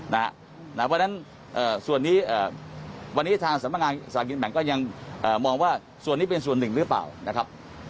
เพราะฉะนั้นส่วนนี้วันนี้ทางสำนักงานสลากกินแบ่งก็ยังมองว่าส่วนนี้เป็นส่วนหนึ่งหรือเปล่านะครับ